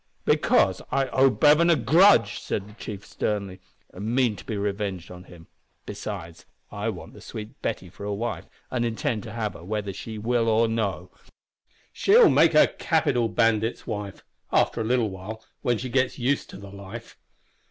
"Because I owe Bevan a grudge!" said the chief, sternly, "and mean to be revenged on him. Besides, I want the sweet Betty for a wife, and intend to have her, whether she will or no. She'll make a capital bandit's wife after a little while, when she gets used to the life.